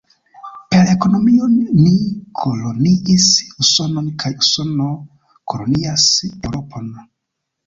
Per ekonomio ni koloniis Usonon kaj Usono kolonias Eŭropon.